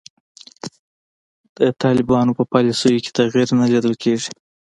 د طالبانو په پالیسیو کې تغیر نه لیدل کیږي.